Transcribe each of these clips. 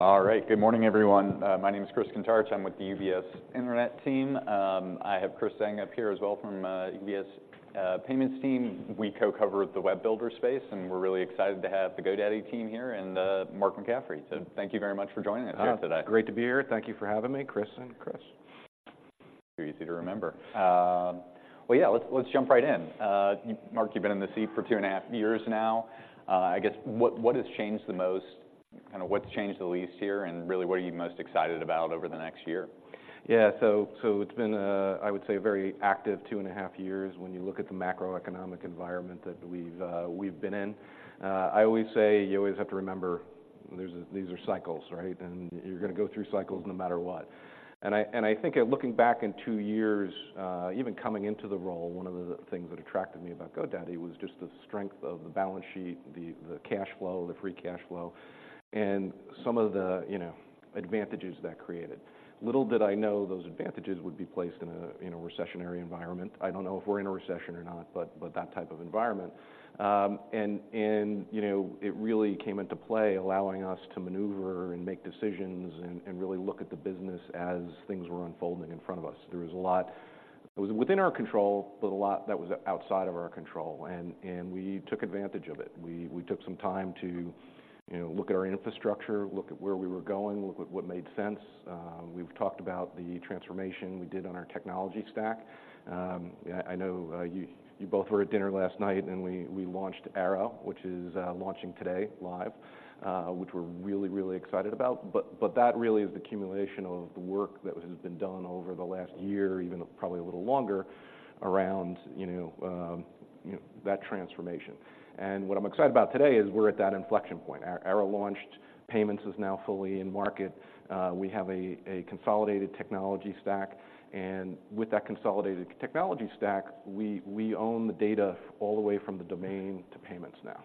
All right. Good morning, everyone. My name is Chris Kuntarich. I'm with the UBS Internet team. I have Chris Zhang up here as well from UBS Payments team. We co-cover the web builder space, and we're really excited to have the GoDaddy team here and Mark McCaffrey. So thank you very much for joining us here today. Great to be here. Thank you for having me, Chris and Chris. Too easy to remember. Well, yeah, let's, let's jump right in. Mark, you've been in this seat for 2.5 years now. I guess, what, what has changed the most? Kinda what's changed the least here, and really, what are you most excited about over the next year? Yeah. So it's been, I would say, a very active 2.5 years when you look at the macroeconomic environment that we've been in. I always say, you always have to remember, these are cycles, right? And you're gonna go through cycles no matter what. And I think, looking back in two years, even coming into the role, one of the things that attracted me about GoDaddy was just the strength of the balance sheet, the cash flow, the free cash flow, and some of the, you know, advantages that created. Little did I know, those advantages would be placed in a recessionary environment. I don't know if we're in a recession or not, but that type of environment. And, you know, it really came into play, allowing us to maneuver and make decisions, and really look at the business as things were unfolding in front of us. There was a lot that was within our control, but a lot that was outside of our control, and we took advantage of it. We took some time to, you know, look at our infrastructure, look at where we were going, look at what made sense. We've talked about the transformation we did on our technology stack. I know, you both were at dinner last night, and we launched Airo, which is launching today, live, which we're really excited about. But that really is the accumulation of the work that has been done over the last year, even probably a little longer, around, you know, that transformation. And what I'm excited about today is we're at that inflection point. Airo launched, Payments is now fully in market. We have a consolidated technology stack, and with that consolidated technology stack, we own the data all the way from the domain to payments now.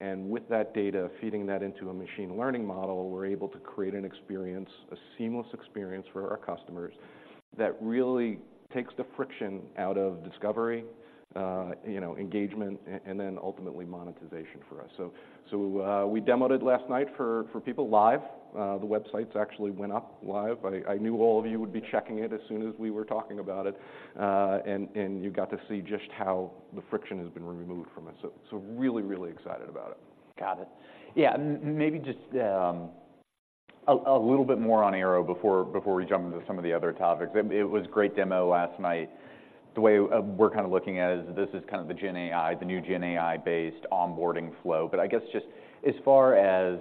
And with that data, feeding that into a machine learning model, we're able to create an experience, a seamless experience, for our customers that really takes the friction out of discovery, you know, engagement, and then ultimately monetization for us. So we demoed it last night for people live. The websites actually went up live. I knew all of you would be checking it as soon as we were talking about it. And you got to see just how the friction has been removed from it. So really, really excited about it. Got it. Yeah, maybe just a little bit more on Airo before we jump into some of the other topics. It was a great demo last night. The way we're kind of looking at it is this is kind of the GenAI, the new GenAI-based onboarding flow. But I guess just as far as...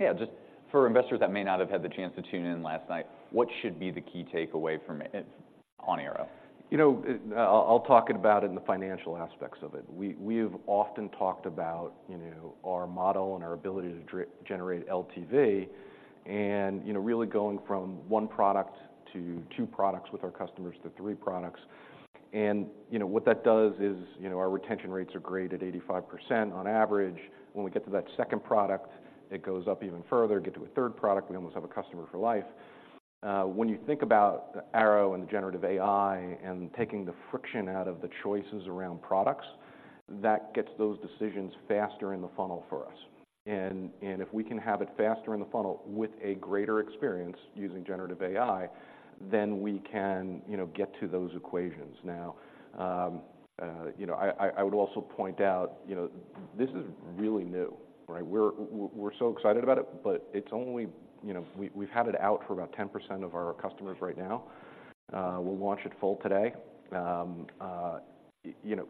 Yeah, just for investors that may not have had the chance to tune in last night, what should be the key takeaway from it on Airo? You know, I'll talk about it in the financial aspects of it. We've often talked about, you know, our model and our ability to generate LTV and, you know, really going from one product to two products with our customers, to three products. And, you know, what that does is, you know, our retention rates are great, at 85% on average. When we get to that second product, it goes up even further. Get to a third product, we almost have a customer for life. When you think about Airo and generative AI, and taking the friction out of the choices around products, that gets those decisions faster in the funnel for us. And if we can have it faster in the funnel with a greater experience, using generative AI, then we can, you know, get to those equations. Now, you know, I would also point out, you know, this is really new, right? We're so excited about it, but it's only... You know, we've had it out for about 10% of our customers right now. We'll launch it full today. You know,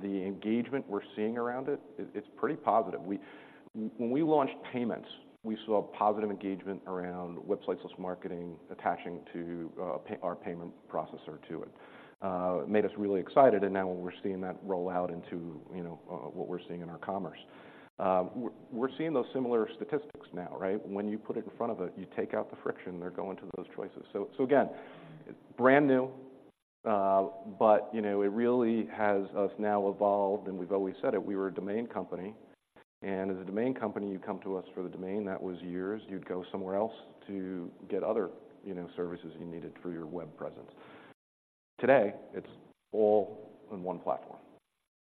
the engagement we're seeing around it, it's pretty positive. When we launched Payments, we saw positive engagement around Websites + Marketing, attaching to our payment processor to it. It made us really excited, and now we're seeing that roll out into, you know, what we're seeing in our commerce. We're seeing those similar statistics now, right? When you put it in front of it, you take out the friction, they're going to those choices. So, so again, brand new, but, you know, it really has us now evolved, and we've always said it, we were a domain company, and as a domain company, you come to us for the domain, that was yours. You'd go somewhere else to get other, you know, services you needed for your web presence. Today, it's all in one platform,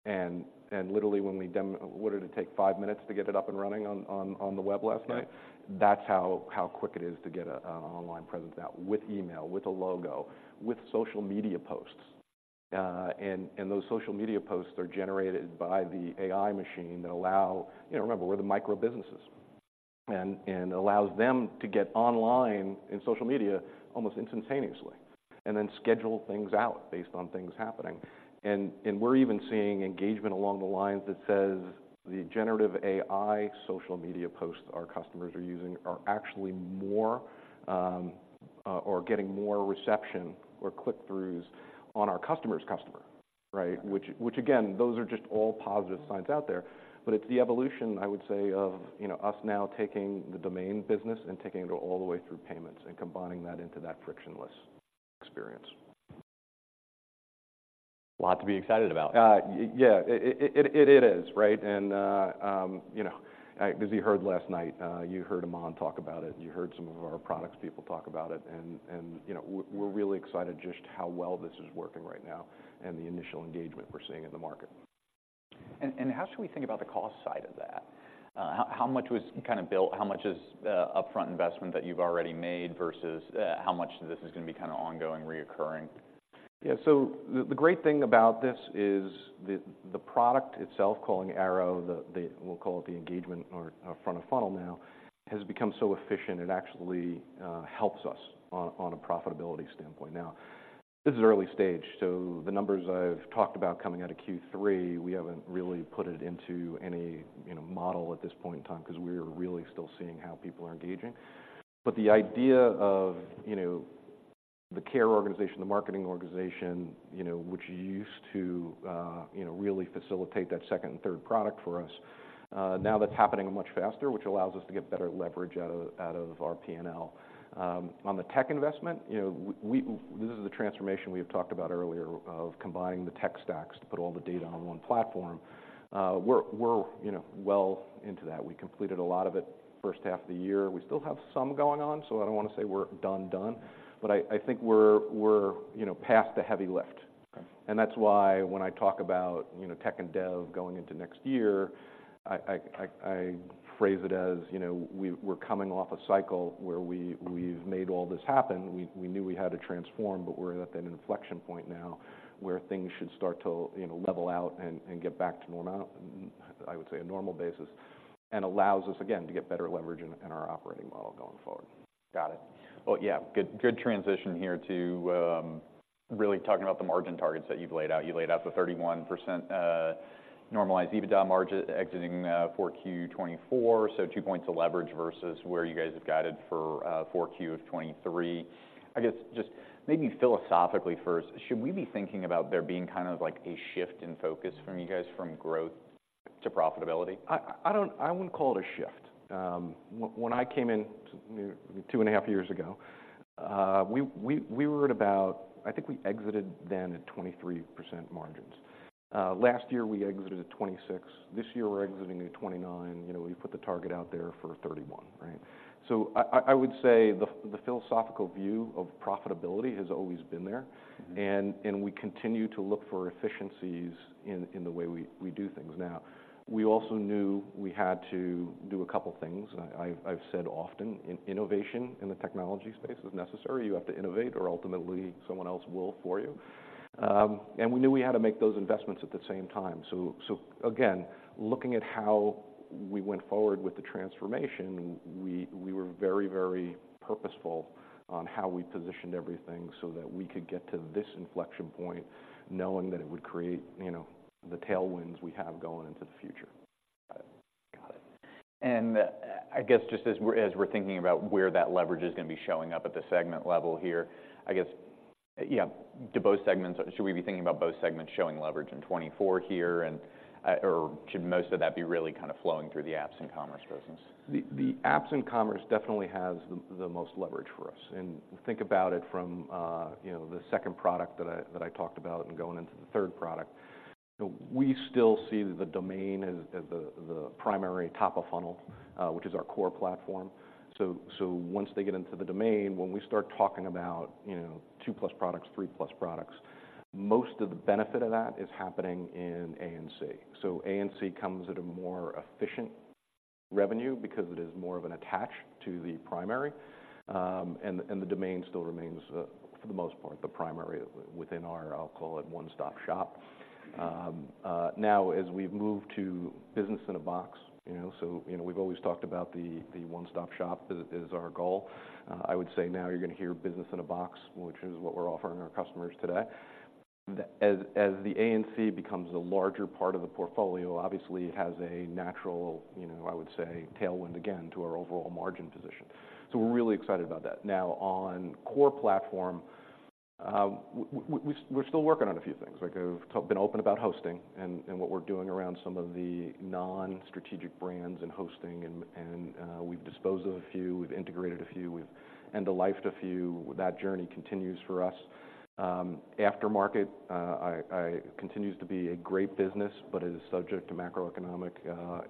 and literally, when we dem- what did it take, 5-minutes to get it up and running on the web last night? Yeah. That's how quick it is to get a online presence out with email, with a logo, with social media posts. And those social media posts are generated by the AI machine that allow... You know, remember, we're the micro businesses, and allows them to get online in social media almost instantaneously, and then schedule things out based on things happening. And we're even seeing engagement along the lines that says, the generative AI social media posts our customers are using are actually more or getting more reception or click-throughs on our customer's customer, right? Right. Which, again, those are just all positive signs out there, but it's the evolution, I would say, of, you know, us now taking the domain business and taking it all the way through payments, and combining that into that frictionless experience. A lot to be excited about. Yeah, it is, right? And, you know, as you heard last night, you heard Aman talk about it, and you heard some of our products people talk about it. And, you know, we're really excited just how well this is working right now and the initial engagement we're seeing in the market. And how should we think about the cost side of that? How much was kind of built, how much is upfront investment that you've already made, versus how much this is gonna be kind of ongoing recurring? Yeah. So the great thing about this is the product itself, called Airo, the—we'll call it the engagement or front of funnel now, has become so efficient, it actually helps us on a profitability standpoint. Now, this is early stage, so the numbers I've talked about coming out of Q3, we haven't really put it into any, you know, model at this point in time, 'cause we're really still seeing how people are engaging. But the idea of, you know, the care organization, the marketing organization, you know, which used to really facilitate that second and third product for us, now that's happening much faster, which allows us to get better leverage out of our PNL. On the tech investment, you know, we—this is the transformation we have talked about earlier, of combining the tech stacks to put all the data on one platform. We're, you know, well into that. We completed a lot of it first half of the year. We still have some going on, so I don't wanna say we're done done, but I think we're, you know, past the heavy lift. Okay. And that's why when I talk about, you know, tech and dev going into next year, I phrase it as, you know, we're coming off a cycle where we've made all this happen. We knew we had to transform, but we're at that inflection point now, where things should start to, you know, level out and get back to normal. I would say, a normal basis, and allows us, again, to get better leverage in our operating model going forward. Got it. Well, yeah, good, good transition here to really talking about the margin targets that you've laid out. You laid out the 31%, normalized EBITDA margin exiting for Q4 2024, so two points of leverage versus where you guys have guided for for Q4 of 2023. I guess, just maybe philosophically first, should we be thinking about there being kind of, like, a shift in focus from you guys from growth to profitability? I don't. I wouldn't call it a shift. When I came in 2.5 years ago, we were at about... I think we exited then at 23% margins. Last year, we exited at 26%. This year, we're exiting at 29%. You know, we've put the target out there for 31%, right? So I would say, the philosophical view of profitability has always been there. We continue to look for efficiencies in the way we do things. Now, we also knew we had to do a couple things. I've said often, innovation in the technology space is necessary. You have to innovate, or ultimately, someone else will for you. And we knew we had to make those investments at the same time. So again, looking at how we went forward with the transformation, we were very, very purposeful on how we positioned everything, so that we could get to this inflection point, knowing that it would create, you know, the tailwinds we have going into the future. Got it. And I guess, just as we're, as we're thinking about where that leverage is gonna be showing up at the segment level here, I guess, yeah, do both segments, or should we be thinking about both segments showing leverage in 2024 here, and, or should most of that be really kind of flowing through the Apps and Commerce business? The Apps and Commerce definitely has the most leverage for us. And think about it from, you know, the second product that I talked about and going into the third product. We still see the domain as the primary top of funnel, which is our Core Platform. So once they get into the domain, when we start talking about, you know, 2+ products, 3+ products, most of the benefit of that is happening in A&C. So A&C comes at a more efficient revenue, because it is more of an attach to the primary. And the domain still remains, for the most part, the primary within our, I'll call it, one-stop shop. Now, as we've moved to Business in a Box, you know, so, you know, we've always talked about the, the one-stop shop as, as our goal. I would say, now you're gonna hear Business in a Box, which is what we're offering our customers today. As, as the A&C becomes a larger part of the portfolio, obviously, it has a natural, you know, I would say, tailwind again, to our overall margin position. So we're really excited about that. Now, on Core Platform, we're, we're still working on a few things. Like I've been open about hosting and, and what we're doing around some of the non-strategic brands and hosting, and, and, we've disposed of a few, we've integrated a few, we've end-of-lifed a few. That journey continues for us. Aftermarket continues to be a great business, but it is subject to macroeconomic,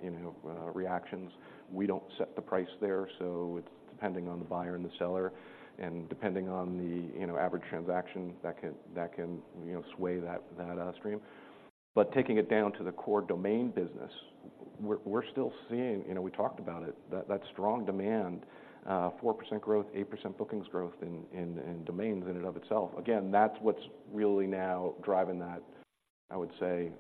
you know, reactions. We don't set the price there, so it's depending on the buyer and the seller, and depending on the, you know, average transaction that can you know sway that stream. But taking it down to the core domain business, we're still seeing, you know, we talked about it, that strong demand, 4% growth, 8% bookings growth in domains in and of itself. Again, that's what's really now driving that, I would say,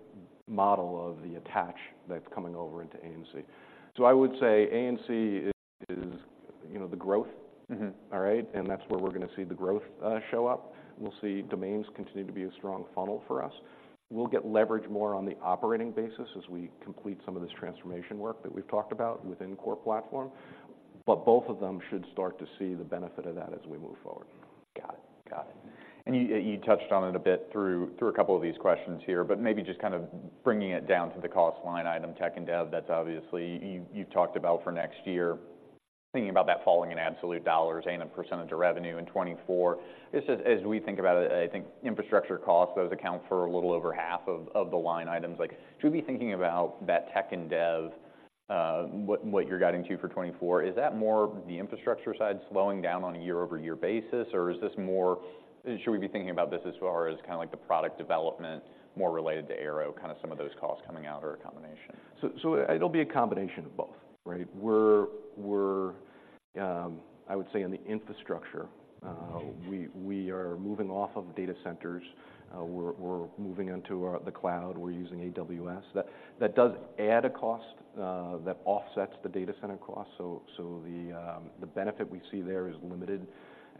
model of the attach that's coming over into A&C. So I would say A&C is, you know, the growth. All right? And that's where we're gonna see the growth show up. We'll see domains continue to be a strong funnel for us. We'll get leverage more on the operating basis as we complete some of this transformation work that we've talked about within Core Platform, but both of them should start to see the benefit of that as we move forward. Got it. Got it. And you touched on it a bit through a couple of these questions here, but maybe just kind of bringing it down to the cost line item, Tech and Dev, that's obviously you've talked about for next year. Thinking about that falling in absolute dollars and a percentage of revenue in 2024, just as we think about it, I think infrastructure costs, those account for a little over half of the line items. Like, should we be thinking about that Tech and Dev, what you're guiding to for 2024, is that more the infrastructure side slowing down on a year-over-year basis, or is this more? Should we be thinking about this as far as kinda like the product development, more related to Airo, kind of some of those costs coming out or a combination? So it'll be a combination of both, right? I would say in the infrastructure, we are moving off of data centers. We're moving into the cloud. We're using AWS. That does add a cost that offsets the data center cost, so the benefit we see there is limited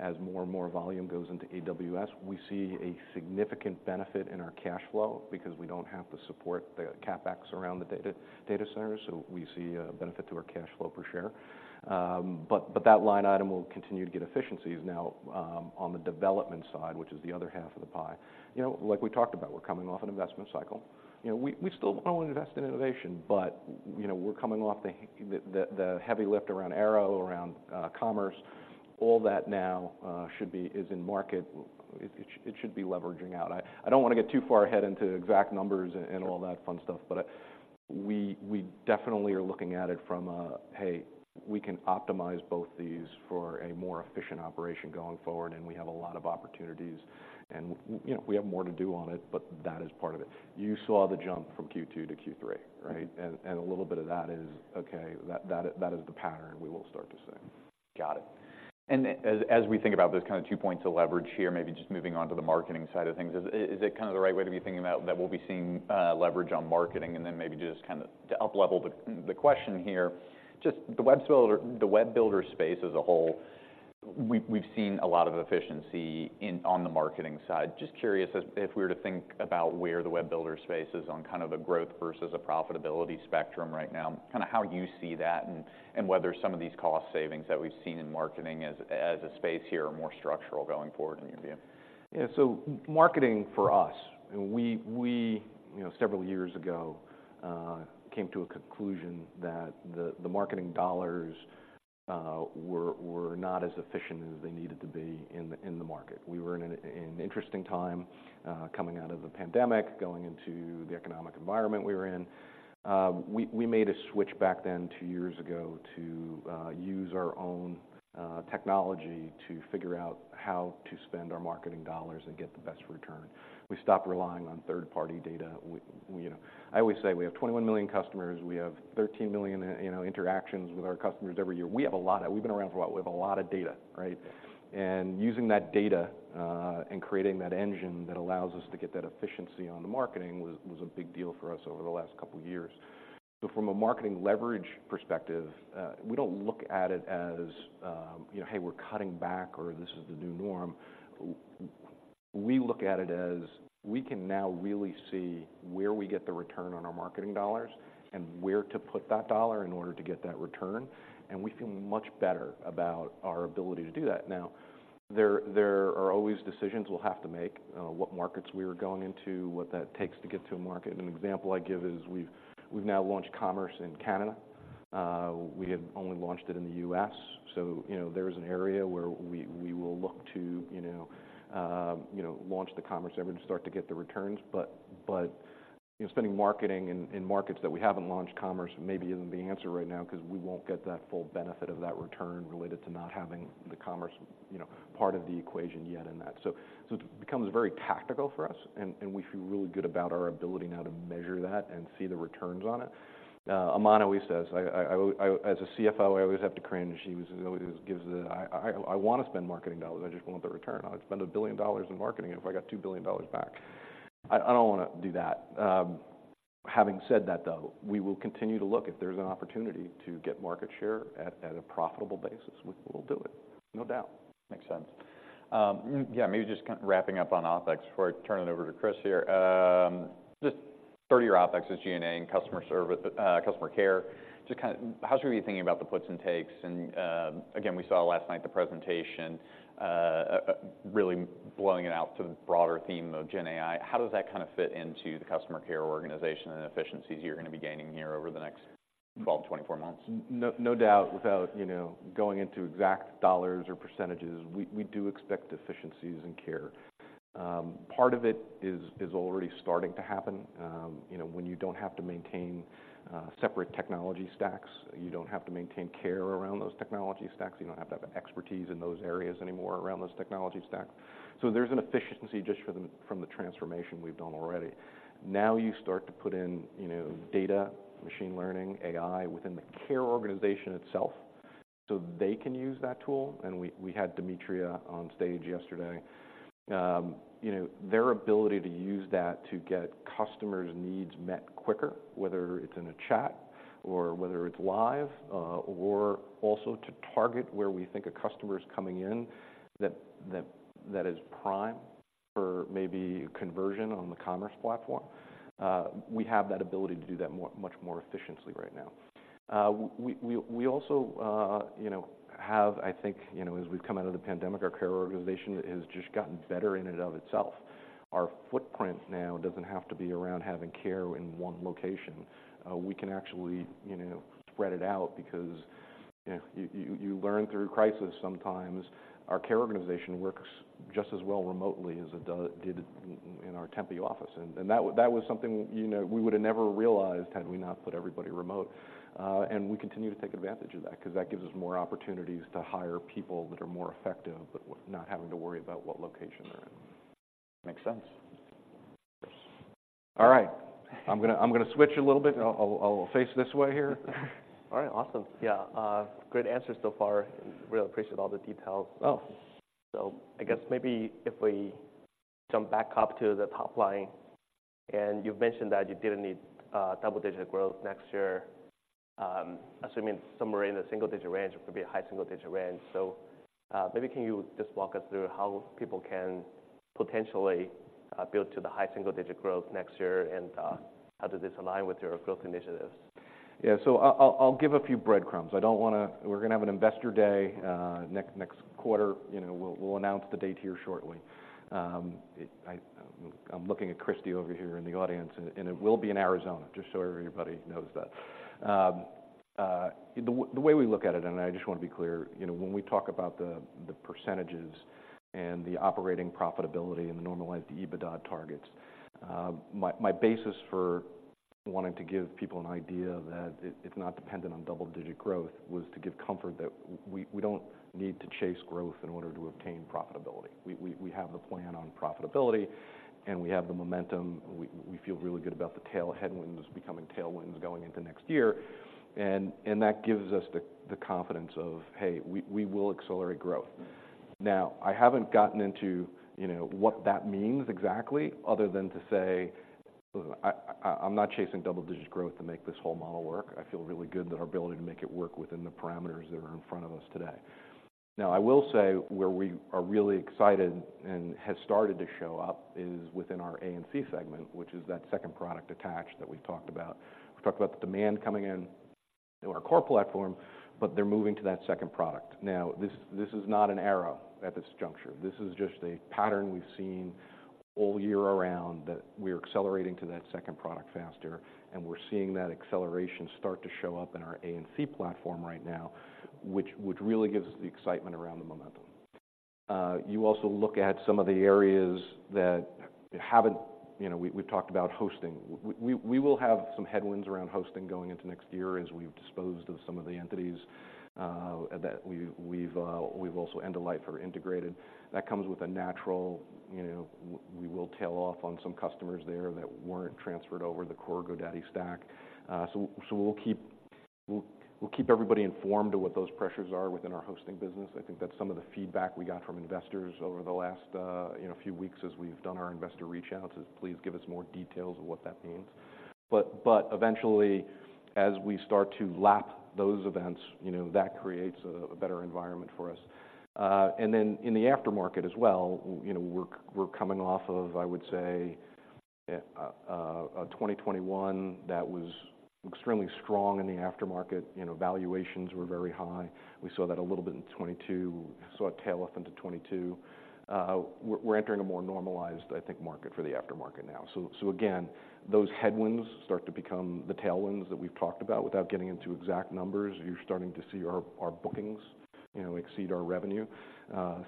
as more and more volume goes into AWS. We see a significant benefit in our cash flow because we don't have to support the CapEx around the data centers, so we see a benefit to our cash flow per share. But that line item will continue to get efficiencies now, on the development side, which is the other half of the pie. You know, like we talked about, we're coming off an investment cycle. You know, we still wanna invest in innovation, but you know, we're coming off the heavy lift around Airo, around commerce. All that now should be... is in market. It should be leveraging out. I don't wanna get too far ahead into exact numbers and all that fun stuff, but we definitely are looking at it from a, "Hey, we can optimize both these for a more efficient operation going forward, and we have a lot of opportunities." And you know, we have more to do on it, but that is part of it. You saw the jump from Q2-Q3, right? And a little bit of that is, okay, that is the pattern we will start to see. Got it. And as we think about those kind of two points of leverage here, maybe just moving on to the marketing side of things, is it kinda the right way to be thinking about that we'll be seeing leverage on marketing? And then maybe just kind of to uplevel the question here, just the web builder, the web builder space as a whole, we've seen a lot of efficiency on the marketing side. Just curious, if we were to think about where the web builder space is on kind of a growth versus a profitability spectrum right now, kinda how you see that, and whether some of these cost savings that we've seen in marketing as a space here are more structural going forward in your view. Yeah, so marketing for us, we you know, several years ago came to a conclusion that the marketing dollars were not as efficient as they needed to be in the market. We were in an interesting time coming out of the pandemic, going into the economic environment we were in. We made a switch back then, two years ago, to use our own technology to figure out how to spend our marketing dollars and get the best return. We stopped relying on third-party data. We you know... I always say we have 21 million customers, we have 13 million you know, interactions with our customers every year. We have a lot of. We've been around for a while. We have a lot of data, right? Using that data and creating that engine that allows us to get that efficiency on the marketing was a big deal for us over the last couple years. So from a marketing leverage perspective, we don't look at it as, you know, "Hey, we're cutting back," or, "This is the new norm." We look at it as we can now really see where we get the return on our marketing dollars and where to put that dollar in order to get that return, and we feel much better about our ability to do that. Now, there are always decisions we'll have to make, what markets we are going into, what that takes to get to a market. An example I give is we've now launched commerce in Canada. We had only launched it in the U.S. So, you know, there is an area where we will look to, you know, launch the commerce and start to get the returns. But, you know, spending marketing in markets that we haven't launched commerce maybe isn't the answer right now, 'cause we won't get that full benefit of that return related to not having the commerce, you know, part of the equation yet in that. So it becomes very tactical for us, and we feel really good about our ability now to measure that and see the returns on it. Aman always says, "As a CFO, I always have to cringe." He always gives the, "I wanna spend marketing dollars, I just want the return on it. I'd spend $1 billion in marketing if I got $2 billion back." I don't wanna do that. Having said that, though, we will continue to look. If there's an opportunity to get market share at a profitable basis, we'll do it. No doubt. Makes sense. Maybe just kind of wrapping up on OpEx before I turn it over to Chris here. Just third-year OpEx is G&A and customer service, customer care. Just kind of how should we be thinking about the puts and takes, and, again, we saw last night the presentation, really blowing it out to the broader theme of GenAI. How does that kind of fit into the customer care organization and efficiencies you're gonna be gaining here over the next 12-24 months? No, no doubt, without, you know, going into exact dollars or percentages, we do expect efficiencies in care. Part of it is already starting to happen. You know, when you don't have to maintain separate technology stacks, you don't have to maintain care around those technology stacks, you don't have to have expertise in those areas anymore around those technology stacks. So there's an efficiency just from the transformation we've done already. Now, you start to put in, you know, data, Machine Learning, AI, within the care organization itself, so they can use that tool. And we had Demetria on stage yesterday. You know, their ability to use that to get customers' needs met quicker, whether it's in a chat or whether it's live, or also to target where we think a customer is coming in, that is prime for maybe conversion on the commerce platform. We have that ability to do that much more efficiently right now. We also, you know, have, I think, you know, as we've come out of the pandemic, our care organization has just gotten better in and of itself. Our footprint now doesn't have to be around having care in one location. We can actually, you know, spread it out because-- Yeah, you learn through crisis sometimes. Our care organization works just as well remotely as it did in our Tempe office. And that was something, you know, we would have never realized had we not put everybody remote. And we continue to take advantage of that, 'cause that gives us more opportunities to hire people that are more effective, but not having to worry about what location they're in. Makes sense. All right. I'm gonna switch a little bit. I'll face this way here. All right. Awesome. Yeah, great answers so far, and really appreciate all the details. Oh. So I guess maybe if we jump back up to the top line, and you've mentioned that you didn't need double-digit growth next year, assuming somewhere in the single-digit range, it could be a high single-digit range. So maybe can you just walk us through how people can potentially build to the high single-digit growth next year, and how does this align with your growth initiatives? Yeah. So I'll give a few breadcrumbs. I don't wanna-- We're gonna have an Investor Day next quarter. You know, we'll announce the date here shortly. I'm looking at Christie over here in the audience, and it will be in Arizona, just so everybody knows that. The way we look at it, and I just wanna be clear, you know, when we talk about the percentages and the operating profitability and the normalized EBITDA targets, my basis for wanting to give people an idea that it's not dependent on double-digit growth, was to give comfort that we don't need to chase growth in order to obtain profitability. We have the plan on profitability, and we have the momentum. We feel really good about these headwinds becoming tailwinds going into next year, and that gives us the confidence of, "Hey, we will accelerate growth." Now, I haven't gotten into, you know, what that means exactly, other than to say, I'm not chasing double-digit growth to make this whole model work. I feel really good that our ability to make it work within the parameters that are in front of us today. Now, I will say, where we are really excited and has started to show up, is within our A&C segment, which is that second product attach that we've talked about. We've talked about the demand coming in to our Core Platform, but they're moving to that second product. Now, this is not an error at this juncture. This is just a pattern we've seen all year around, that we're accelerating to that second product faster, and we're seeing that acceleration start to show up in our A&C platform right now, which really gives us the excitement around the momentum. You also look at some of the areas that haven't. You know, we've talked about hosting. We will have some headwinds around hosting going into next year, as we've disposed of some of the entities that we've also end-of-life'd the integrated. That comes with a natural. You know, we will tail off on some customers there that weren't transferred over the core GoDaddy stack. So we'll keep everybody informed of what those pressures are within our hosting business. I think that's some of the feedback we got from investors over the last, you know, few weeks as we've done our investor reach out to, "Please give us more details of what that means." But eventually, as we start to lap those events, you know, that creates a better environment for us. And then in the aftermarket as well, you know, we're coming off of, I would say, a 2021 that was extremely strong in the aftermarket. You know, valuations were very high. We saw that a little bit in 2022, saw it tail off into 2022. We're entering a more normalized, I think, market for the aftermarket now. So again, those headwinds start to become the tailwinds that we've talked about. Without getting into exact numbers, you're starting to see our bookings, you know, exceed our revenue.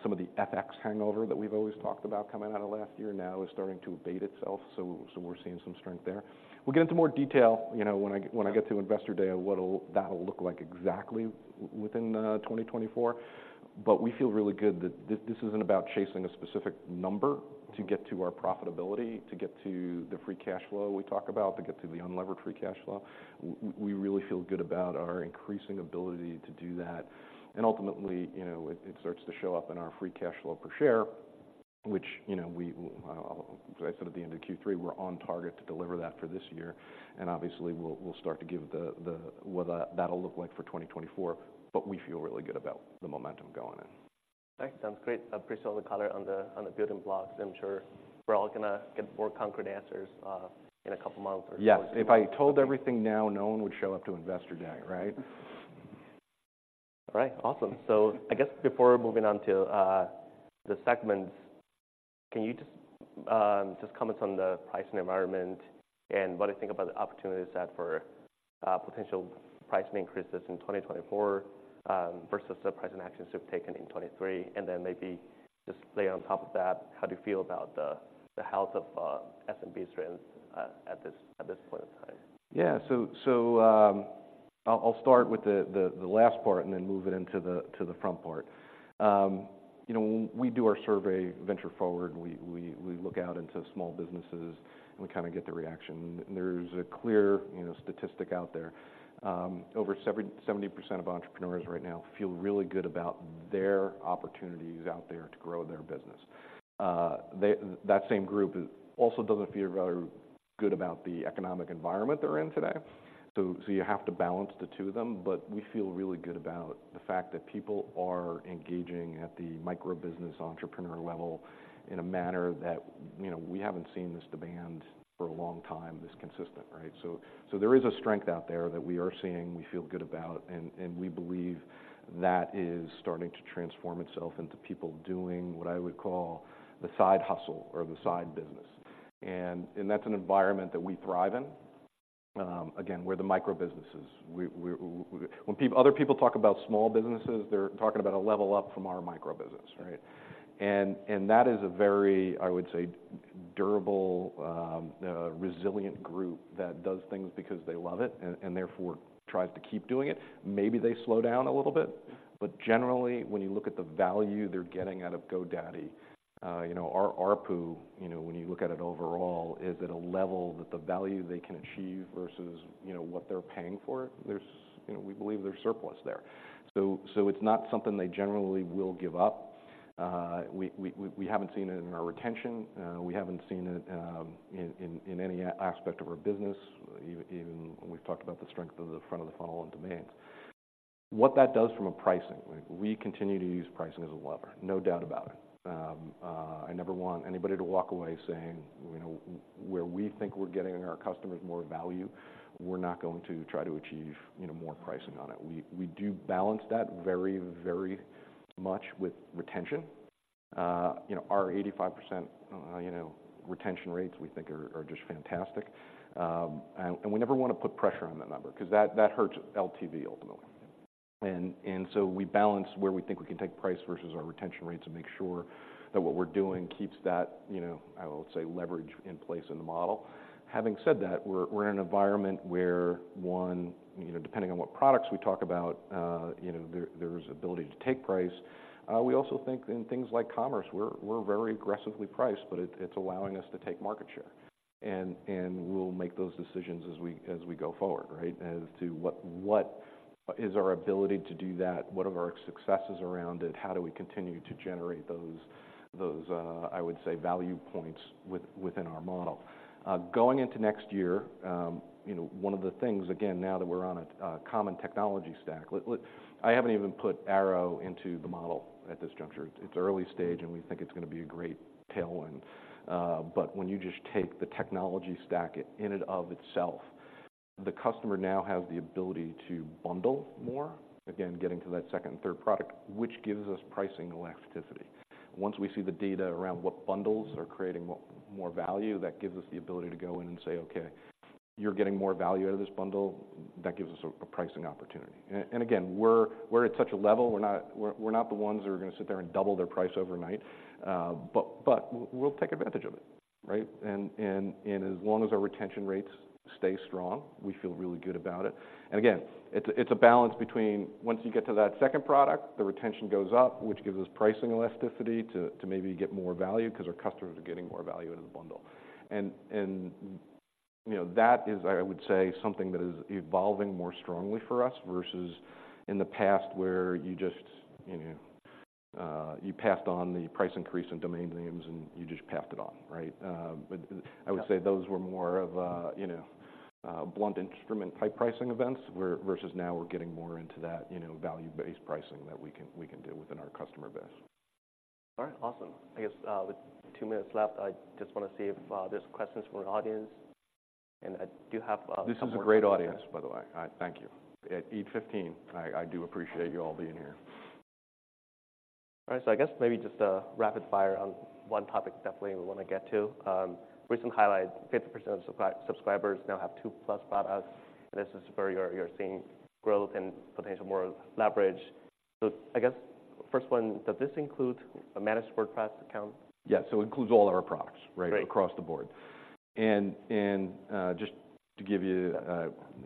Some of the FX hangover that we've always talked about coming out of last year now is starting to abate itself, so we're seeing some strength there. We'll get into more detail, you know, when I get to Investor Day, on what that'll look like exactly within 2024. But we feel really good that this isn't about chasing a specific number to get to our profitability, to get to the free cash flow we talk about, to get to the unlevered free cash flow. We really feel good about our increasing ability to do that, and ultimately, you know, it starts to show up in our free cash flow per share, which, you know, as I said at the end of Q3, we're on target to deliver that for this year. And obviously, we'll start to give the what that'll look like for 2024, but we feel really good about the momentum going in. All right. Sounds great. I appreciate all the color on the building blocks. I'm sure we're all gonna get more concrete answers in a couple of months or. Yes. If I told everything now, no one would show up to Investor Day, right? All right. Awesome. So I guess before moving on to the segments, can you just just comment on the pricing environment and what do you think about the opportunities that for potential pricing increases in 2024 versus the pricing actions you've taken in 2023? And then maybe just layer on top of that, how do you feel about the health of SMB strengths at this point in time? Yeah. So, I'll start with the last part and then move it into the front part. You know, when we do our survey, Venture Forward, we look out into small businesses, and we kinda get the reaction. There's a clear, you know, statistic out there. Over 70%, 70% of entrepreneurs right now feel really good about their opportunities out there to grow their business. They-- That same group also doesn't feel rather good about the economic environment they're in today, so you have to balance the two of them. But we feel really good about the fact that people are engaging at the micro-business entrepreneur level in a manner that, you know, we haven't seen this demand for a long time, this consistent, right? So there is a strength out there that we are seeing, we feel good about, and we believe that is starting to transform itself into people doing what I would call the side hustle or the side business. And that's an environment that we thrive in. Again, we're the micro businesses. When other people talk about small businesses, they're talking about a level up from our micro business, right? And that is a very, I would say, durable, resilient group that does things because they love it, and therefore tries to keep doing it. Maybe they slow down a little bit, but generally, when you look at the value they're getting out of GoDaddy, you know, our ARPU, you know, when you look at it overall, is at a level that the value they can achieve versus, you know, what they're paying for it, there's, you know, we believe there's surplus there. So, it's not something they generally will give up. We haven't seen it in our retention, we haven't seen it in any aspect of our business, even when we've talked about the strength of the front-of-the-funnel and demands. What that does from a pricing, we continue to use pricing as a lever, no doubt about it. I never want anybody to walk away saying, you know, where we think we're getting our customers more value, we're not going to try to achieve, you know, more pricing on it. We do balance that very, very much with retention. You know, our 85% retention rates, we think are just fantastic. And we never want to put pressure on that number because that hurts LTV ultimately. And so we balance where we think we can take price versus our retention rates and make sure that what we're doing keeps that, you know, I would say, leverage in place in the model. Having said that, we're in an environment where, one, you know, depending on what products we talk about, you know, there's ability to take price. We also think in things like commerce, we're very aggressively priced, but it's allowing us to take market share. We'll make those decisions as we go forward, right? As to what is our ability to do that? What are our successes around it? How do we continue to generate those, I would say, value points within our model? Going into next year, you know, one of the things, again, now that we're on a common technology stack. I haven't even put Airo into the model at this juncture. It's early stage, and we think it's going to be a great tailwind. But when you just take the technology stack in and of itself, the customer now has the ability to bundle more, again, getting to that second and third product, which gives us pricing elasticity. Once we see the data around what bundles are creating more value, that gives us the ability to go in and say, "Okay, you're getting more value out of this bundle." That gives us a pricing opportunity. And again, we're at such a level, we're not the ones that are going to sit there and double their price overnight, but we'll take advantage of it, right? And as long as our retention rates stay strong, we feel really good about it. And again, it's a balance between once you get to that second product, the retention goes up, which gives us pricing elasticity to maybe get more value because our customers are getting more value out of the bundle. And, you know, that is, I would say, something that is evolving more strongly for us versus in the past, where you just, you know, you passed on the price increase in domain names, and you just passed it on, right? But I would say those were more of a, you know, blunt instrument type pricing events, where versus now we're getting more into that, you know, value-based pricing that we can do within our customer base. All right, awesome. I guess, with two minutes left, I just want to see if there's questions from the audience, and I do have some more- This is a great audience, by the way. Thank you. At 8:15 A.M., I do appreciate you all being here. All right, so I guess maybe just a rapid fire on one topic definitely we want to get to. Recent highlight, 50% of subscribers now have 2+ products, and this is where you're seeing growth and potential more leverage. So I guess, first one, does this include a Managed WordPress account? Yes, so it includes all our products- Great... right across the board. And just to give you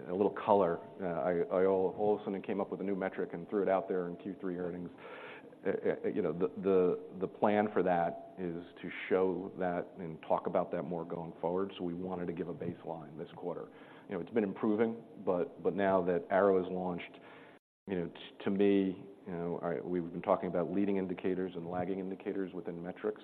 a little color, I all of a sudden came up with a new metric and threw it out there in Q3 earnings. You know, the plan for that is to show that and talk about that more going forward, so we wanted to give a baseline this quarter. You know, it's been improving, but now that Airo is launched, you know, to me, you know, I... We've been talking about leading indicators and lagging indicators within metrics.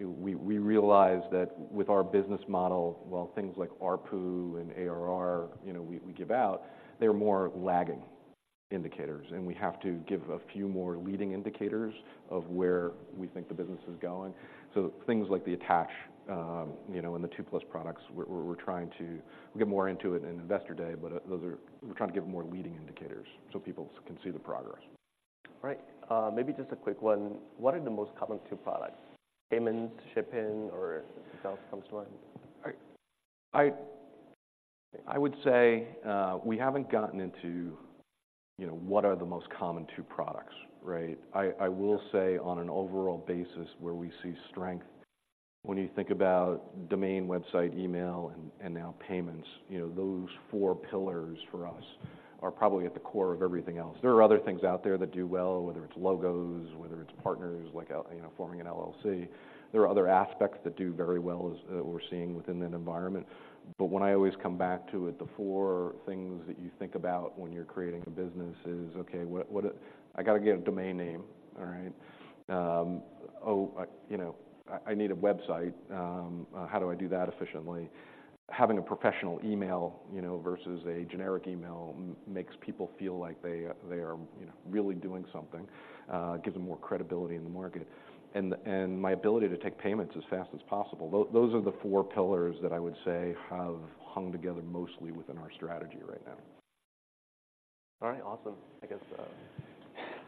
We realize that with our business model, while things like ARPU and ARR, you know, we give out, they're more lagging indicators, and we have to give a few more leading indicators of where we think the business is going. So things like the attach, you know, and the 2+ products, we're trying to get more into it in Investor Day, but those are... We're trying to give more leading indicators so people can see the progress. Right. Maybe just a quick one: What are the most common two products? Payments, shipping, or something else comes to mind? I would say, we haven't gotten into, you know, what are the most common two products, right? I will say- Yeah... on an overall basis, where we see strength, when you think about domain, website, email, and now payments, you know, those four pillars for us are probably at the core of everything else. There are other things out there that do well, whether it's logos, whether it's partners, like, you know, forming an LLC. There are other aspects that do very well as we're seeing within that environment. But when I always come back to it, the four things that you think about when you're creating a business is: Okay, what are-- I got to get a domain name, all right? You know, I need a website. How do I do that efficiently? Having a professional email, you know, versus a generic email makes people feel like they are, they are, you know, really doing something, gives them more credibility in the market. And my ability to take payments as fast as possible. Those are the four pillars that I would say have hung together mostly within our strategy right now. All right, awesome. I guess,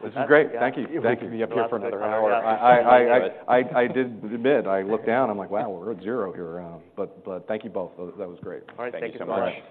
This is great. Thank you. Yeah. Thank you. I could be up here for another hour. Yeah. I did admit, I looked down. I'm like, "Wow, we're at zero here," but thank you both. That was great. All right. Thank you so much.